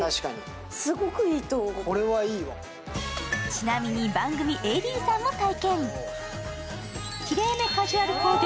ちなみに番組ＡＤさんも体験。